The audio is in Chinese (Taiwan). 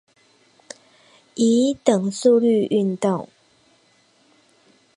以等速率運動